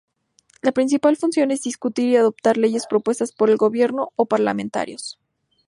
La principal función es discutir y adoptar leyes propuestas por el gobierno o parlamentarios.